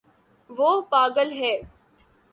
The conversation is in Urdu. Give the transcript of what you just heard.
وہ پاگل ہے